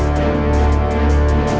dia baru aja